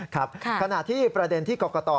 ครับขณะที่ประเด็นที่กรกต